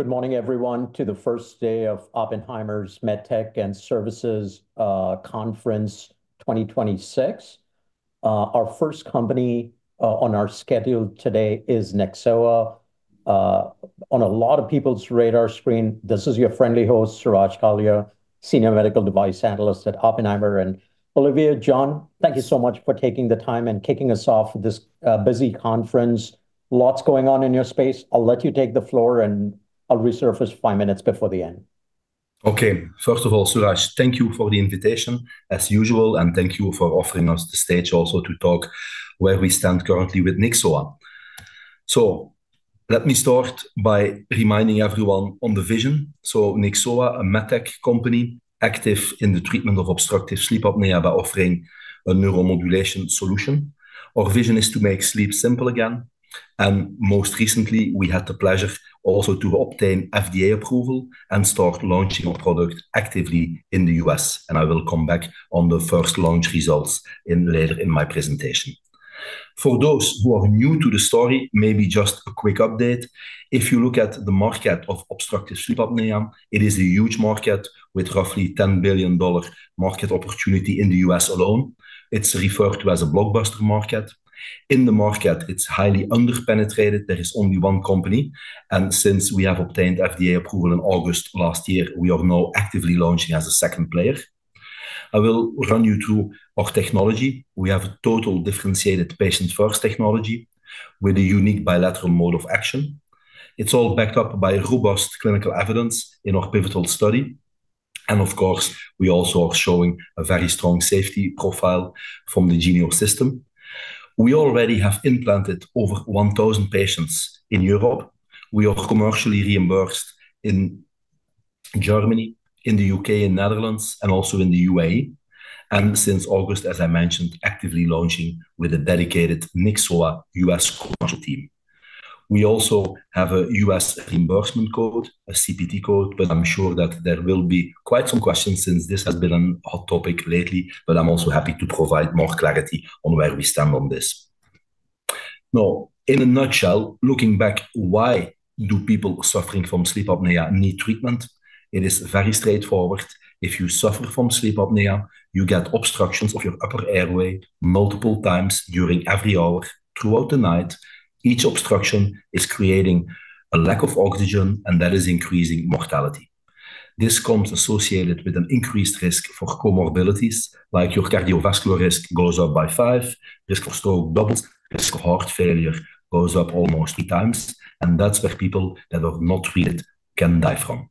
Good morning, everyone, to the first day of Oppenheimer's MedTech and Services Conference 2026. Our first company on our schedule today is Nyxoah. On a lot of people's radar screen, this is your friendly host, Suraj Kalia, Senior Medical Device Analyst at Oppenheimer. Olivier, John, thank you so much for taking the time and kicking us off this busy conference. Lots going on in your space. I'll let you take the floor, and I'll resurface five minutes before the end. Okay. First of all, Suraj, thank you for the invitation, as usual, and thank you for offering us the stage also to talk where we stand currently with Nyxoah. Let me start by reminding everyone on the vision. Nyxoah, a med tech company, active in the treatment of obstructive sleep apnea by offering a neuromodulation solution. Our vision is to make sleep simple again. Most recently, we had the pleasure also to obtain FDA approval and start launching our product actively in the U.S. I will come back on the first launch results in later in my presentation. For those who are new to the story, maybe just a quick update. If you look at the market of obstructive sleep apnea, it is a huge market with roughly $10 billion market opportunity in the U.S. alone. It's referred to as a blockbuster market. In the market, it's highly under-penetrated. There is only one company, and since we have obtained FDA approval in August last year, we are now actively launching as a second player. I will run you through our technology. We have a total differentiated patient-first technology with a unique bilateral mode of action. It's all backed up by robust clinical evidence in our pivotal study. Of course, we also are showing a very strong safety profile from the Genio system. We already have implanted over 1,000 patients in Europe. We are commercially reimbursed in Germany, in the U.K., in the Netherlands, and also in the UAE. Since August, as I mentioned, actively launching with a dedicated Nyxoah U.S. commercial team. We also have a U.S. reimbursement code, a CPT code, but I'm sure that there will be quite some questions since this has been a hot topic lately, but I'm also happy to provide more clarity on where we stand on this. Now, in a nutshell, looking back, why do people suffering from sleep apnea need treatment? It is very straightforward. If you suffer from sleep apnea, you get obstructions of your upper airway multiple times during every hour throughout the night. Each obstruction is creating a lack of oxygen, and that is increasing mortality. This comes associated with an increased risk for comorbidities, like your cardiovascular risk goes up by five, risk of stroke doubles, risk of heart failure goes up almost 3x. That's what people that are not treated can die from.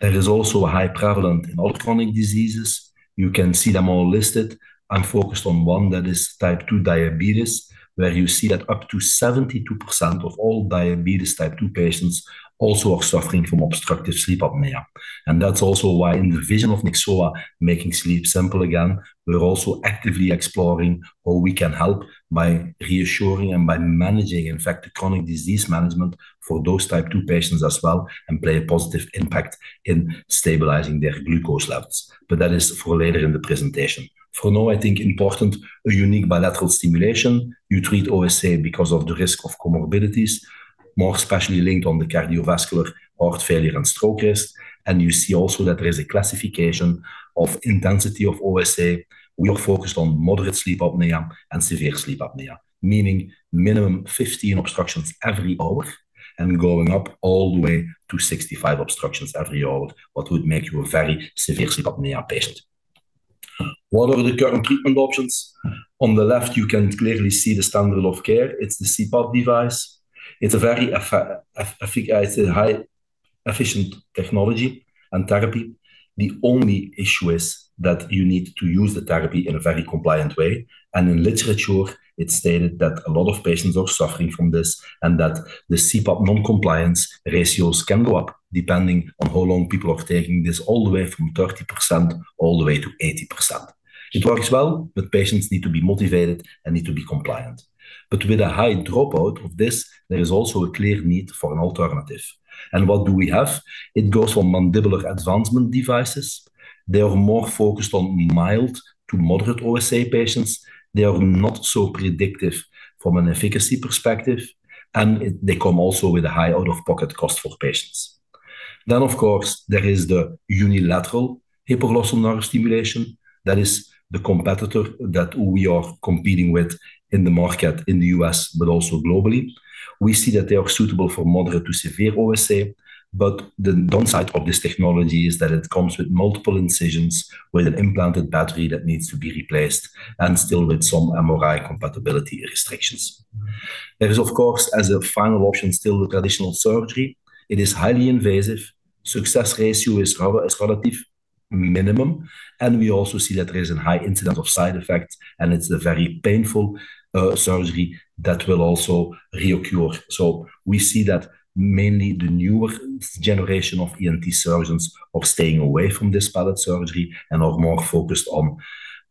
There is also a high prevalence in all chronic diseases. You can see them all listed. I'm focused on one that is type 2 diabetes, where you see that up to 72% of all diabetes type 2 patients also are suffering from obstructive sleep apnea. That's also why in the vision of Nyxoah, making sleep simple again, we're also actively exploring how we can help by reassuring and by managing, in fact, chronic disease management for those type 2 patients as well and play a positive impact in stabilizing their glucose levels. That is for later in the presentation. For now, I think important, a unique bilateral stimulation. You treat OSA because of the risk of comorbidities, more especially linked on the cardiovascular, heart failure, and stroke risk. You see also that there is a classification of intensity of OSA. We are focused on moderate sleep apnea and severe sleep apnea, meaning minimum 15 obstructions every hour and going up all the way to 65 obstructions every hour, what would make you a very severe sleep apnea patient. What are the current treatment options? On the left, you can clearly see the standard of care. It's the CPAP device. It's a very highly efficient technology and therapy. The only issue is that you need to use the therapy in a very compliant way. In literature, it's stated that a lot of patients are suffering from this and that the CPAP non-compliance ratios can go up depending on how long people are taking this, all the way from 30% all the way to 80%. It works well, but patients need to be motivated and need to be compliant. With a high dropout of this, there is also a clear need for an alternative. What do we have? It goes from mandibular advancement devices. They are more focused on mild to moderate OSA patients. They are not so predictive from an efficacy perspective, and they come also with a high out-of-pocket cost for patients. Of course, there is the unilateral hypoglossal nerve stimulation. That is the competitor that we are competing with in the market in the U.S., but also globally. We see that they are suitable for moderate to severe OSA, but the downside of this technology is that it comes with multiple incisions with an implanted battery that needs to be replaced and still with some MRI compatibility restrictions. There is, of course, as a final option, still the traditional surgery. It is highly invasive. Success ratio is relatively minimum. We also see that there is a high incidence of side effects, and it's a very painful surgery that will also reoccur. We see that mainly the newer generation of ENT surgeons are staying away from this palate surgery and are more focused on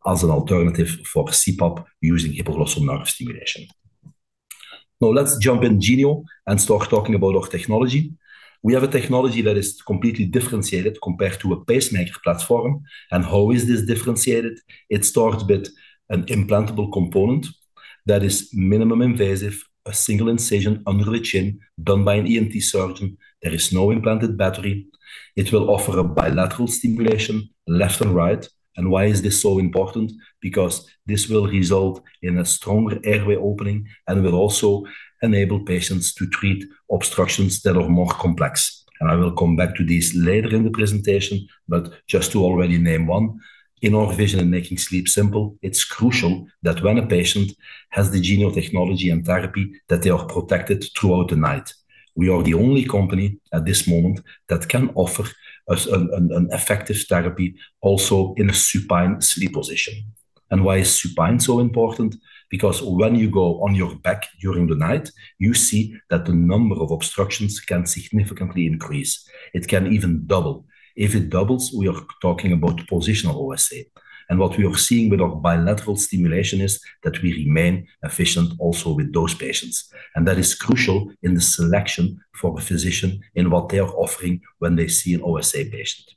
as an alternative for CPAP using hypoglossal nerve stimulation. Now, let's jump into Genio and start talking about our technology. We have a technology that is completely differentiated compared to a pacemaker platform. How is this differentiated? It starts with an implantable component. That is minimally invasive, a single incision under the chin done by an ENT surgeon. There is no implanted battery. It will offer a bilateral stimulation left and right. Why is this so important? Because this will result in a stronger airway opening and will also enable patients to treat obstructions that are more complex. I will come back to this later in the presentation. Just to already name one, in our vision in making sleep simple, it's crucial that when a patient has the Genio technology and therapy, that they are protected throughout the night. We are the only company at this moment that can offer an effective therapy also in a supine sleep position. Why is supine so important? Because when you go on your back during the night, you see that the number of obstructions can significantly increase. It can even double. If it doubles, we are talking about positional OSA. What we are seeing with our bilateral stimulation is that we remain efficient also with those patients. That is crucial in the selection for a physician in what they are offering when they see an OSA patient.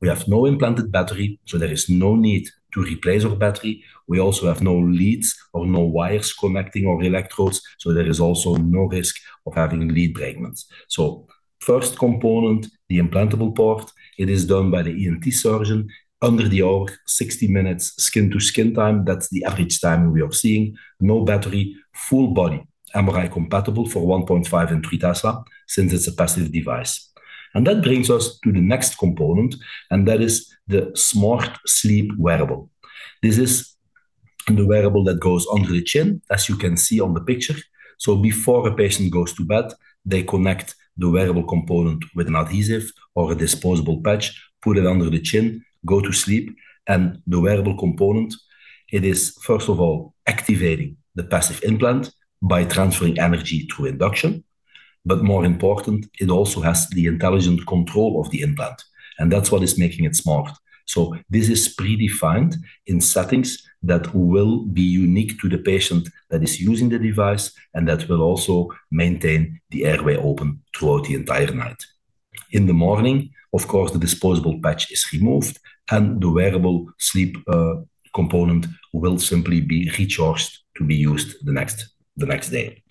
We have no implanted battery, so there is no need to replace our battery. We also have no leads or no wires connecting our electrodes, so there is also no risk of having lead fragments. First component, the implantable part, it is done by the ENT surgeon under the OR, 60 minutes skin-to-skin time. That's the average time we are seeing. No battery, full body MRI compatible for 1.5 and 3 Tesla since it's a passive device. That brings us to the next component, and that is the smart sleep wearable. This is the wearable that goes under the chin, as you can see on the picture. Before a patient goes to bed, they connect the wearable component with an adhesive or a disposable patch, put it under the chin, go to sleep. The wearable component, it is first of all activating the passive implant by transferring energy through induction. More important, it also has the intelligent control of the implant, and that's what is making it smart. This is predefined in settings that will be unique to the patient that is using the device and that will also maintain the airway open throughout the entire night. In the morning, of course, the disposable patch is removed, and the wearable sleep component will simply be recharged to be used the next day.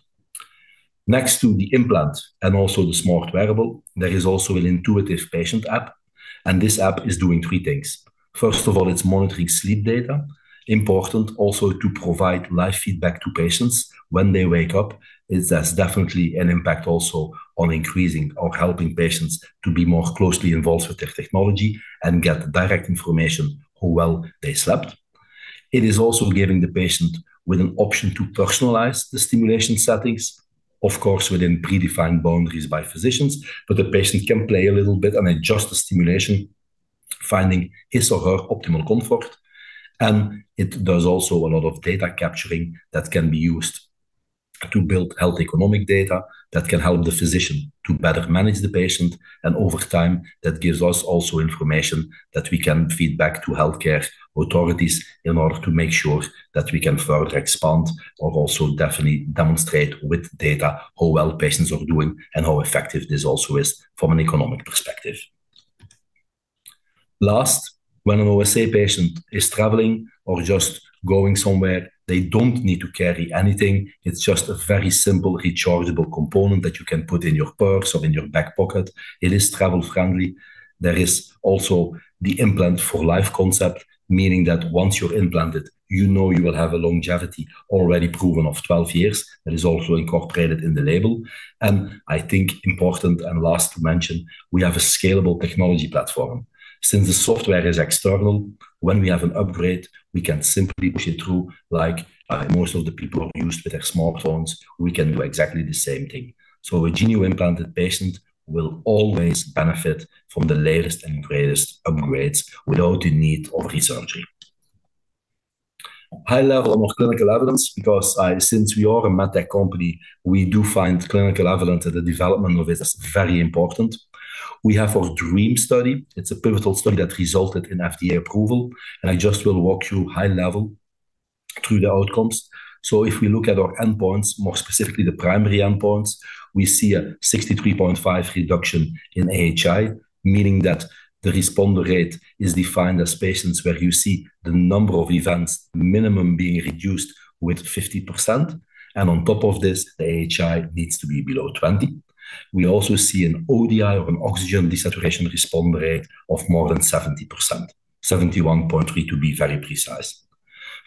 Next to the implant and also the smart wearable, there is also an intuitive patient app, and this app is doing three things. First of all, it's monitoring sleep data. Important also to provide live feedback to patients when they wake up. It has definitely an impact also on increasing or helping patients to be more closely involved with their technology and get direct information how well they slept. It is also giving the patient with an option to personalize the stimulation settings, of course, within predefined boundaries by physicians. The patient can play a little bit and adjust the stimulation, finding his or her optimal comfort. It does also a lot of data capturing that can be used to build health economic data that can help the physician to better manage the patient. Over time, that gives us also information that we can feed back to healthcare authorities in order to make sure that we can further expand or also definitely demonstrate with data how well patients are doing and how effective this also is from an economic perspective. Last, when an OSA patient is traveling or just going somewhere, they don't need to carry anything. It's just a very simple rechargeable component that you can put in your purse or in your back pocket. It is travel friendly. There is also the implant for life concept, meaning that once you're implanted, you know you will have a longevity already proven of 12 years. That is also incorporated in the label. I think important and last to mention, we have a scalable technology platform. Since the software is external, when we have an upgrade, we can simply push it through like most of the people are used with their smartphones. We can do exactly the same thing. A Genio implanted patient will always benefit from the latest and greatest upgrades without the need of re-surgery. High level of clinical evidence, because since we are a med tech company, we do find clinical evidence and the development of it is very important. We have our DREAM study. It's a pivotal study that resulted in FDA approval, and I just will walk you high level through the outcomes. If we look at our endpoints, more specifically the primary endpoints, we see a 63.5 reduction in AHI, meaning that the responder rate is defined as patients where you see the number of events minimum being reduced with 50%. On top of this, the AHI needs to be below 20. We also see an ODI or an oxygen desaturation responder rate of more than 70%, 71.3 to be very precise.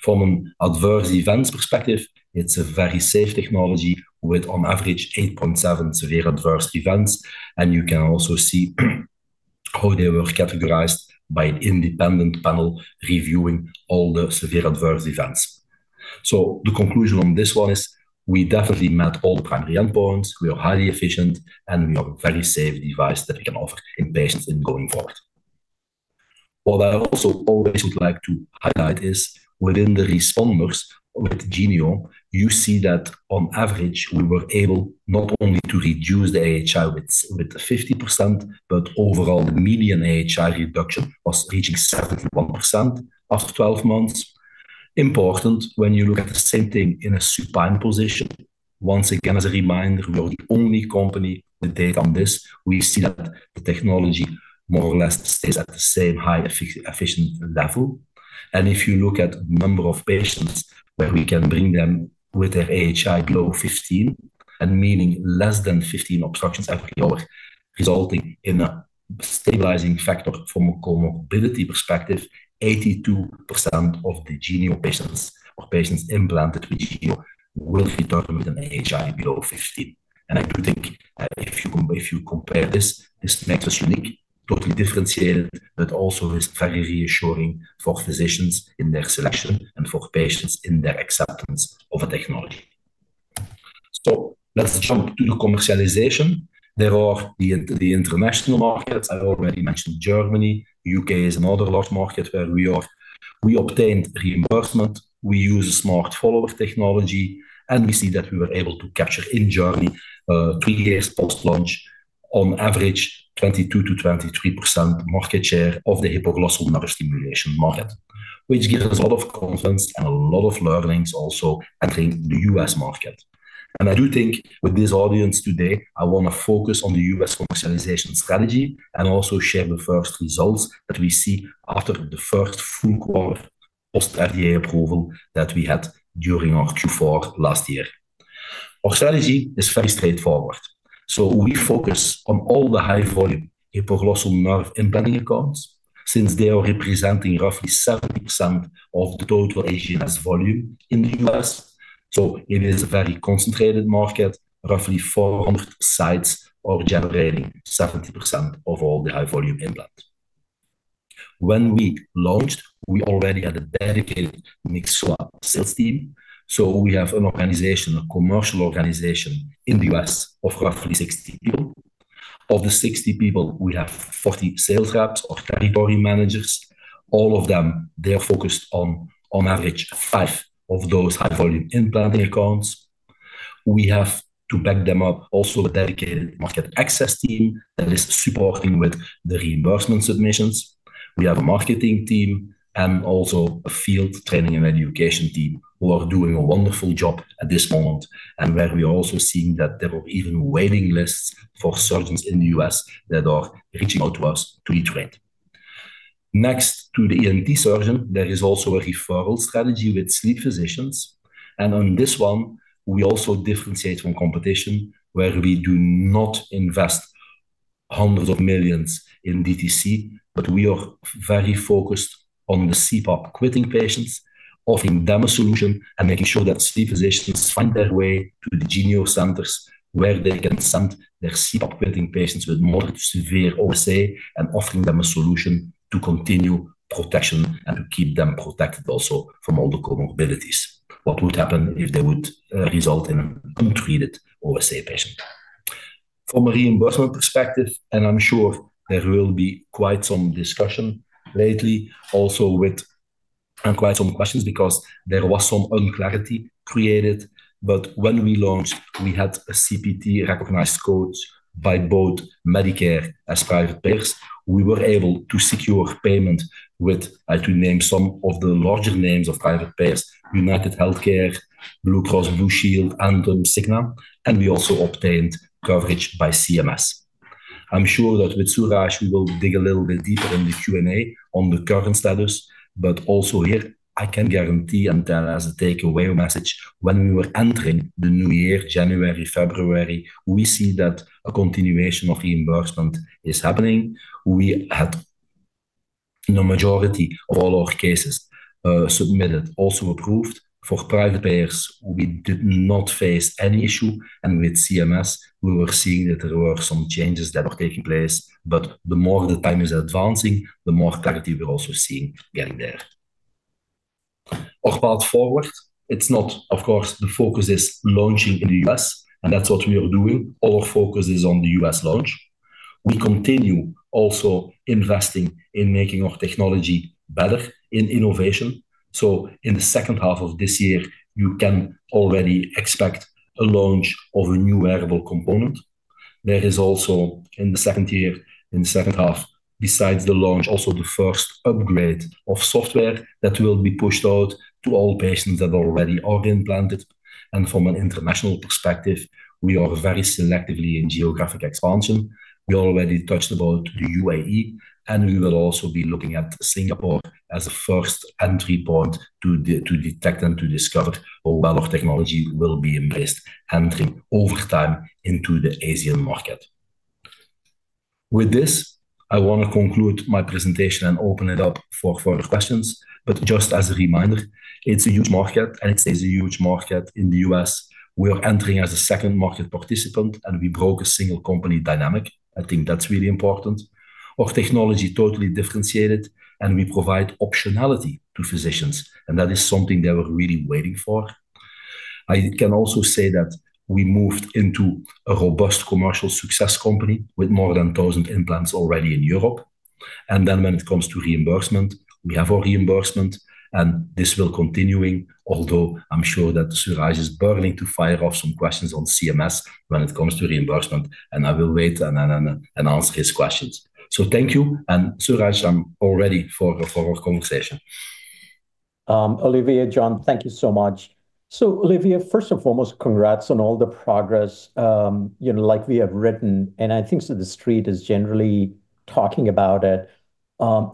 From an adverse events perspective, it's a very safe technology with on average 8.7 severe adverse events. You can also see how they were categorized by an independent panel reviewing all the severe adverse events. The conclusion on this one is we definitely met all the primary endpoints. We are highly efficient, and we have a very safe device that we can offer in patients in going forward. What I also always would like to highlight is within the responders with Genio, you see that on average we were able not only to reduce the AHI with fifty percent, but overall the median AHI reduction was reaching 71% after 12 months. Important when you look at the same thing in a supine position. Once again, as a reminder, we are the only company with data on this. We see that the technology more or less stays at the same high efficiency level. If you look at number of patients where we can bring them with their AHI below 15, and meaning less than 15 obstructions every hour, resulting in a stabilizing factor from a comorbidity perspective, 82% of the Genio patients or patients implanted with Genio will return with an AHI below 15. I do think, if you compare this makes us unique, totally differentiated, but also is very reassuring for physicians in their selection and for patients in their acceptance of a technology. Let's jump to the commercialization. There are the international markets. I already mentioned Germany. U.K. is another large market where we obtained reimbursement. We use a smart follow technology, and we see that we were able to capture in Germany three years post-launch, on average, 22%-23% market share of the hypoglossal nerve stimulation market, which gives us a lot of confidence and a lot of learnings also entering the U.S. market. I do think with this audience today, I wanna focus on the U.S. commercialization strategy and also share the first results that we see after the first full quarter post-FDA approval that we had during our Q4 last year. Our strategy is very straightforward. We focus on all the high volume hypoglossal nerve implanting accounts since they are representing roughly 70% of the total HGNS volume in the U.S.. It is a very concentrated market, roughly 400 sites are generating 70% of all the high volume implants. When we launched, we already had a dedicated Nyxoah sales team. We have an organization, a commercial organization in the US of roughly 60 people. Of the 60 people, we have 40 sales reps or category managers. All of them, they are focused on average, five of those high-volume implanting accounts. We have to back them up also a dedicated market access team that is supporting with the reimbursement submissions. We have a marketing team and also a field training and education team who are doing a wonderful job at this moment and where we are also seeing that there are even waiting lists for surgeons in the U.S. that are reaching out to us to be trained. Next to the ENT surgeon, there is also a referral strategy with sleep physicians. On this one, we also differentiate from competition, where we do not invest hundreds of millions in DTC, but we are very focused on the CPAP-quitting patients, offering them a solution, and making sure that sleep physicians find their way to the Genio centers, where they can send their CPAP-quitting patients with mild to severe OSA and offering them a solution to continue protection and to keep them protected also from all the comorbidities. What would happen if they would result in untreated OSA patient? From a reimbursement perspective, and I'm sure there will be quite some discussion lately also with and quite some questions because there was some unclarity created. When we launched, we had CPT-recognized codes by both Medicare and private payers. We were able to secure payment with, I, to name some of the larger names of private payers, UnitedHealthcare, Blue Cross Blue Shield, Anthem, Cigna, and we also obtained coverage by CMS. I'm sure that with Suraj, we will dig a little bit deeper in the Q&A on the current status. Also here, I can guarantee and tell as a takeaway message, when we were entering the new year, January, February, we see that a continuation of reimbursement is happening. We had the majority of all our cases submitted, also approved. For private payers, we did not face any issue. With CMS, we were seeing that there were some changes that were taking place. The more the time is advancing, the more clarity we're also seeing getting there. Our path forward, it's not, of course, the focus is launching in the U.S., and that's what we are doing. All our focus is on the U.S. launch. We continue also investing in making our technology better in innovation. In the second half of this year, you can already expect a launch of a new wearable component. There is also, in the second year, in the second half, besides the launch, also the first upgrade of software that will be pushed out to all patients that already are implanted. From an international perspective, we are very selectively in geographic expansion. We already touched about the UAE, and we will also be looking at Singapore as a first entry point to detect and to discover where our technology will be embraced, entering over time into the Asian market. With this, I wanna conclude my presentation and open it up for further questions. Just as a reminder, it's a huge market, and it stays a huge market in the U.S. We are entering as a second market participant, and we broke a single company dynamic. I think that's really important. Our technology totally differentiated, and we provide optionality to physicians, and that is something they were really waiting for. I can also say that we moved into a robust commercial success company with more than 1,000 implants already in Europe. When it comes to reimbursement, we have our reimbursement, and this will continue, although I'm sure that Suraj is burning to fire off some questions on CMS when it comes to reimbursement, and I will wait and then ask his questions. Thank you. Suraj, I'm all ready for our conversation. Olivier, John, thank you so much. Olivier, first and foremost, congrats on all the progress. You know, like we have written, and I think so the street is generally talking about it,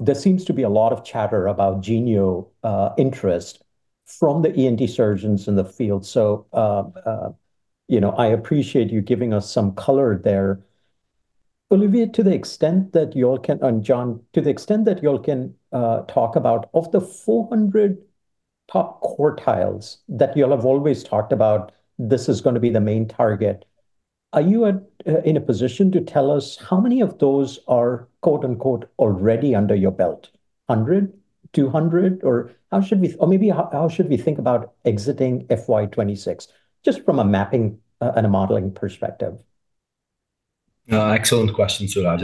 there seems to be a lot of chatter about Genio interest from the ENT surgeons in the field. You know, I appreciate you giving us some color there. Olivier, to the extent that you all can, and John, to the extent that you all can, talk about the 400 top hospitals that you all have always talked about, this is gonna be the main target. Are you in a position to tell us how many of those are quote-unquote already under your belt? 100? 200? How should we think about exiting FY 2026, just from a mapping and a modeling perspective? Excellent question, Suraj.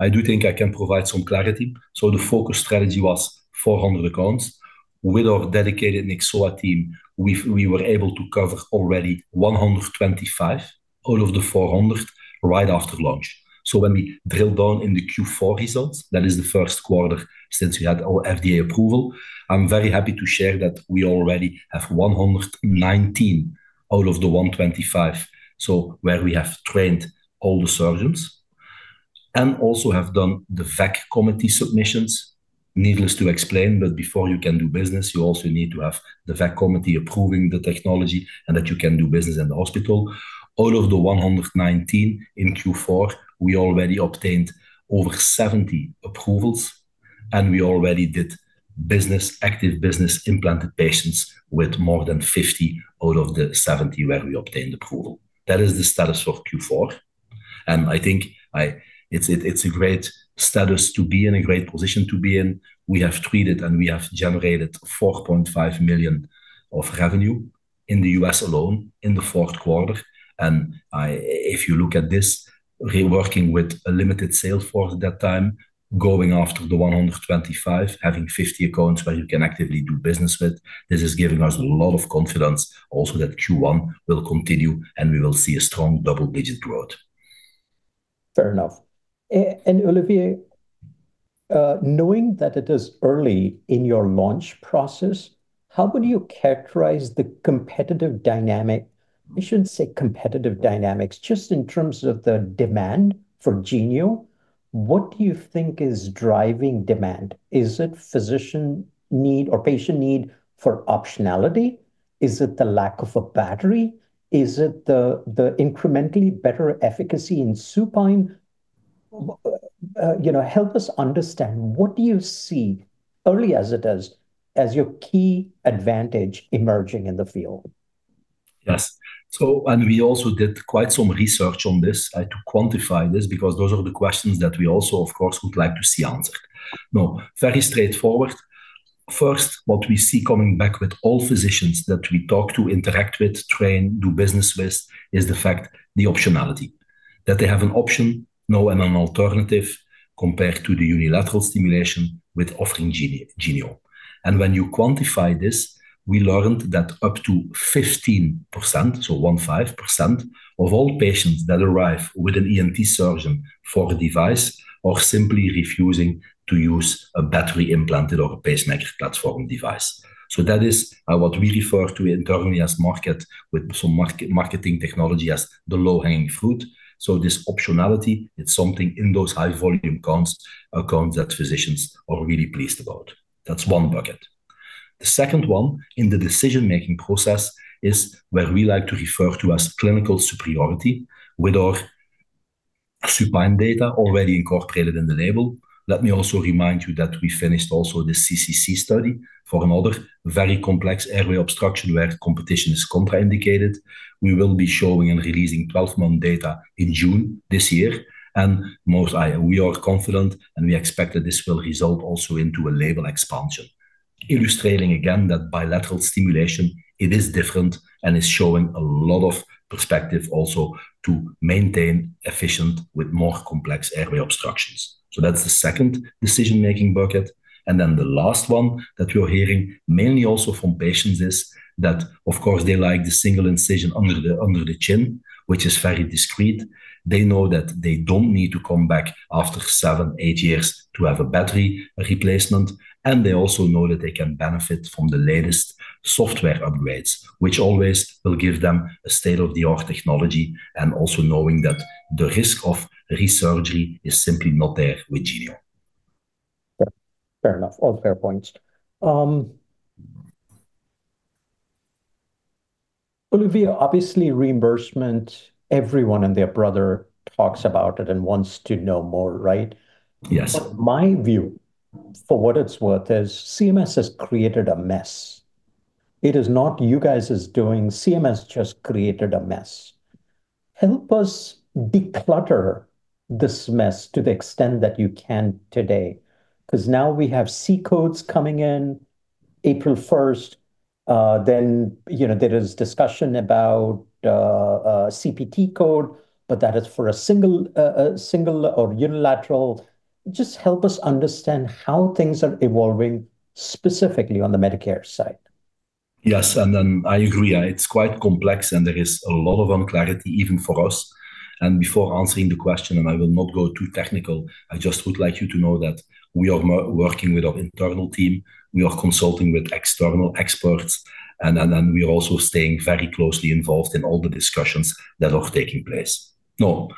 I do think I can provide some clarity. The focus strategy was 400 accounts. With our dedicated Nyxoah team, we were able to cover already 125 out of the 400 right after launch. When we drill down in the Q4 results, that is the first quarter since we had our FDA approval, I'm very happy to share that we already have 119 out of the 125, so where we have trained all the surgeons, and also have done the VAC committee submissions. Needless to explain, but before you can do business, you also need to have the VAC committee approving the technology and that you can do business in the hospital. Out of the 119 in Q4, we already obtained over 70 approvals, and we already did business, active business implanted patients with more than 50 out of the 70 where we obtained approval. That is the status for Q4. I think it's a great status to be in, a great position to be in. We have treated, and we have generated $4.5 million of revenue in the U.S. alone in the fourth quarter. If you look at this, we're working with a limited sales force at that time, going after the 125, having 50 accounts where you can actively do business with. This is giving us a lot of confidence also that Q1 will continue, and we will see a strong double-digit growth. Fair enough. Olivier, knowing that it is early in your launch process, how would you characterize the competitive dynamics, just in terms of the demand for Genio, what do you think is driving demand? Is it physician need or patient need for optionality? Is it the lack of a battery? Is it the incrementally better efficacy in supine? You know, help us understand, what do you see early as it is as your key advantage emerging in the field? Yes. We also did quite some research on this, to quantify this because those are the questions that we also, of course, would like to see answered. No, very straightforward. First, what we see coming back with all physicians that we talk to, interact with, train, do business with, is the fact the optionality. That they have an option, now, and an alternative compared to the unilateral stimulation with offering Genio. And when you quantify this, we learned that up to 15%, so 15%, of all patients that arrive with an ENT surgeon for a device are simply refusing to use a battery-implanted or a pacemaker platform device. That is what we refer to internally as market with some marketing technology as the low-hanging fruit. This optionality, it's something in those high volume accounts that physicians are really pleased about. That's one bucket. The second one in the decision-making process is where we like to refer to as clinical superiority with our supine data already incorporated in the label. Let me also remind you that we finished also the CCC study for another very complex airway obstruction where competition is contraindicated. We will be showing and releasing 12-month data in June this year. We are confident, and we expect that this will result also into a label expansion. Illustrating again that bilateral stimulation, it is different and is showing a lot of perspective also to maintain efficient with more complex airway obstructions. That's the second decision-making bucket. The last one that we're hearing mainly also from patients is that, of course, they like the single incision under the chin, which is very discreet. They know that they don't need to come back after seven, eight years to have a battery replacement. They also know that they can benefit from the latest software upgrades, which always will give them a state-of-the-art technology and also knowing that the risk of re-surgery is simply not there with Genio. Yeah. Fair enough. All fair points. Olivier, obviously reimbursement, everyone and their brother talks about it and wants to know more, right? Yes. My view, for what it's worth, is CMS has created a mess. It is not you guys' doing. CMS just created a mess. Help us declutter this mess to the extent that you can today, 'cause now we have C codes coming in April first. You know, there is discussion about CPT code, but that is for a single or unilateral. Just help us understand how things are evolving specifically on the Medicare side. Yes, I agree. It's quite complex, and there is a lot of unclarity even for us. Before answering the question, I will not go too technical, I just would like you to know that we are now working with our internal team, we are consulting with external experts, and then we are also staying very closely involved in all the discussions that are taking place. Now,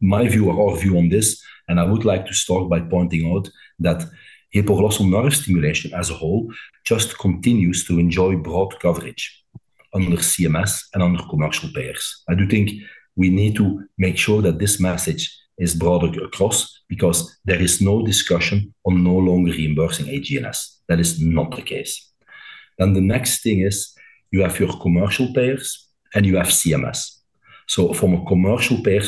my view or our view on this, I would like to start by pointing out that hypoglossal nerve stimulation as a whole just continues to enjoy broad coverage under CMS and under commercial payers. I do think we need to make sure that this message is broadcast across because there is no discussion on no longer reimbursing HGNS. That is not the case. The next thing is you have your commercial payers and you have CMS. From a commercial payer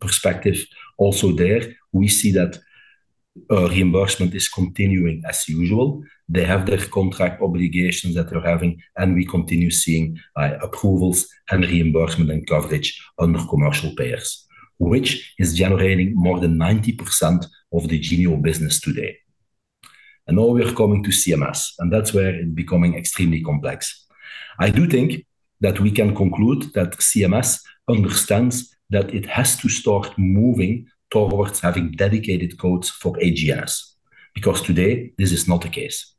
perspective, also there we see that, reimbursement is continuing as usual. They have their contract obligations that they're having, and we continue seeing, approvals and reimbursement and coverage under commercial payers, which is generating more than 90% of the Genio business today. Now we are coming to CMS, and that's where it becoming extremely complex. I do think that we can conclude that CMS understands that it has to start moving towards having dedicated codes for HGNS, because today this is not the case.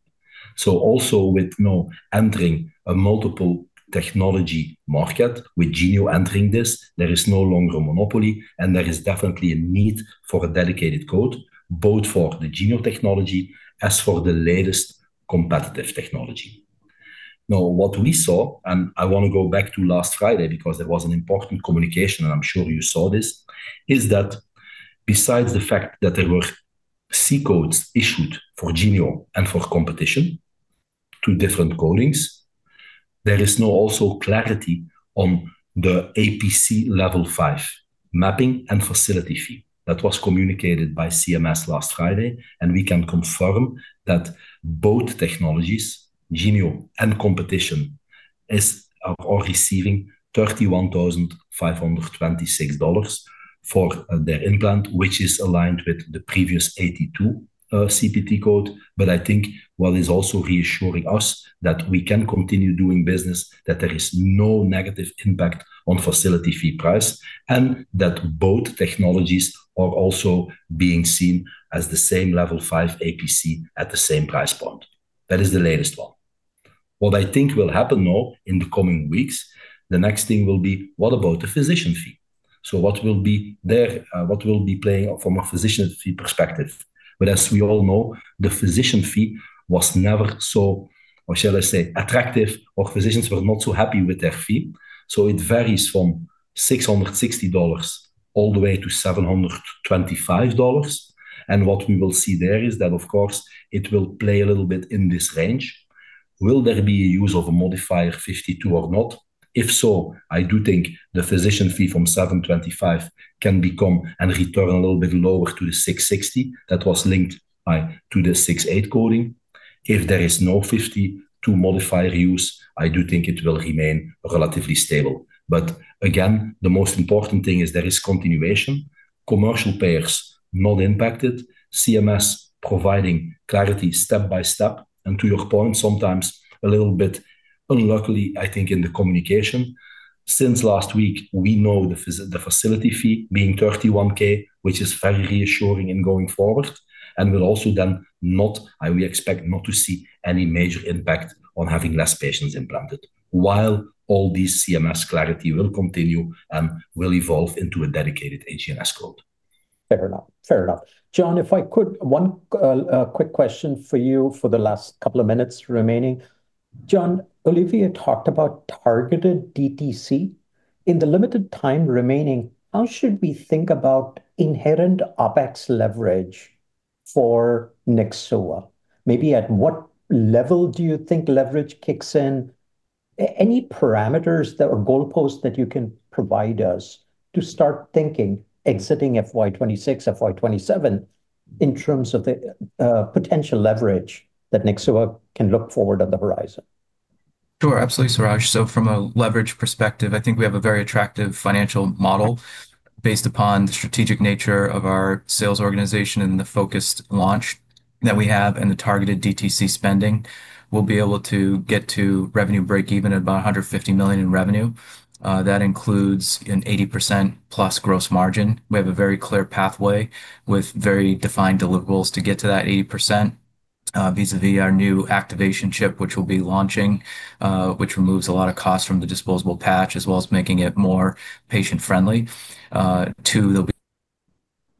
Also with now entering a multiple technology market, with Genio entering this, there is no longer a monopoly, and there is definitely a need for a dedicated code, both for the Genio technology as for the latest competitive technology. Now, what we saw, and I wanna go back to last Friday because there was an important communication, and I'm sure you saw this, is that besides the fact that there were C codes issued for Genio and for competition, two different codings, there is now also clarity on the APC level 5 mapping and facility fee. That was communicated by CMS last Friday, and we can confirm that both technologies, Genio and competition, is or are receiving $31,526 for their implant, which is aligned with the previous 82 CPT code. I think what is also reassuring us that we can continue doing business, that there is no negative impact on facility fee price, and that both technologies are also being seen as the same level 5 APC at the same price point. That is the latest one. What I think will happen now in the coming weeks, the next thing will be what about the physician fee? What will be there, what will be playing from a physician fee perspective? As we all know, the physician fee was never so, or shall I say, attractive, or physicians were not so happy with their fee. It varies from $660 all the way to $725. What we will see there is that of course it will play a little bit in this range. Will there be a use of a Modifier 52 or not? If so, I do think the physician fee from $725 can become and return a little bit lower to the $660 that was linked to the CPT Code 64568. If there is no 52 modifier use, I do think it will remain relatively stable. Again, the most important thing is there is continuation. Commercial payers non-impacted, CMS providing clarity step by step, and to your point, sometimes a little bit unluckily, I think, in the communication. Since last week, we know the facility fee being $31K, which is very reassuring in going forward, and will also then not, and we expect not to see any major impact on having less patients implanted, while all this CMS clarity will continue and will evolve into a dedicated HGNS code. Fair enough. John, if I could, one quick question for you for the last couple of minutes remaining. John, Olivier talked about targeted DTC. In the limited time remaining, how should we think about inherent OpEx leverage for Nyxoah? Maybe at what level do you think leverage kicks in? Any parameters that, or goalposts that you can provide us to start thinking exiting FY 2026, FY 2027, in terms of the potential leverage that Nyxoah can look forward on the horizon. Sure. Absolutely, Suraj. From a leverage perspective, I think we have a very attractive financial model based upon the strategic nature of our sales organization and the focused launch that we have and the targeted DTC spending. We'll be able to get to revenue break even at about 150 million in revenue. That includes an 80%+ gross margin. We have a very clear pathway with very defined deliverables to get to that 80%, vis-à-vis our new activation chip, which we'll be launching, which removes a lot of cost from the disposable patch, as well as making it more patient-friendly. Two, there'll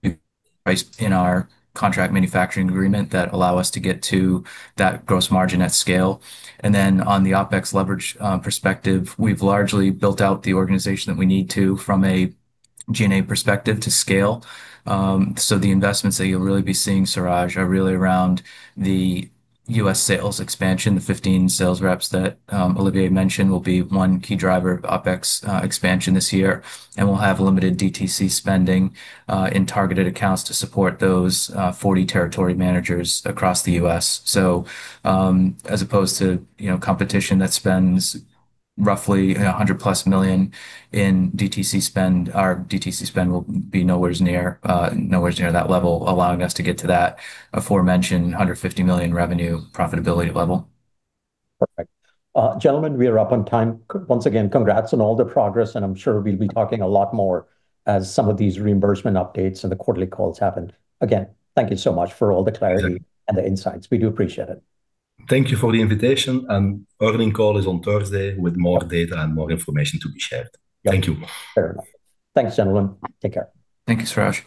be pricing in our contract manufacturing agreement that allow us to get to that gross margin at scale. On the OpEx leverage perspective, we've largely built out the organization that we need to from a G&A perspective to scale. The investments that you'll really be seeing, Suraj, are really around the U.S. sales expansion. The 15 sales reps that Olivier mentioned will be one key driver of OpEx expansion this year. We'll have limited DTC spending in targeted accounts to support those 40 territory managers across the U.S. As opposed to, you know, competition that spends roughly 100+ million in DTC spend, our DTC spend will be nowheres near that level, allowing us to get to that aforementioned 150 million revenue profitability level. Perfect. Gentlemen, we are up on time. Once again, congrats on all the progress, and I'm sure we'll be talking a lot more as some of these reimbursement updates and the quarterly calls happen. Again, thank you so much for all the clarity and the insights. We do appreciate it. Thank you for the invitation. Earnings call is on Thursday with more data and more information to be shared. Thank you. Fair enough. Thanks, gentlemen. Take care. Thank you, Suraj.